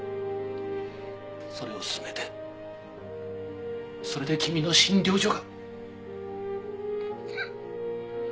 それを進めてそれで君の診療所が。